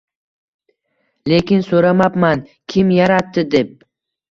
Lekin so‘ramabman: “Kim yaratdi?!” – deb.